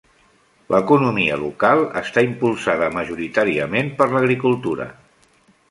L'economia local està impulsada majoritàriament per l'agricultura.